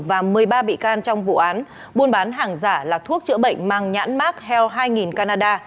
và một mươi ba bị can trong vụ án buôn bán hàng giả là thuốc chữa bệnh mang nhãn mark health hai canada